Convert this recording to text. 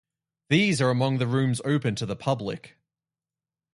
These are among the rooms open to the public.